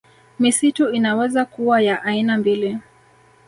Misitu inaweza kuwa ya aina mbili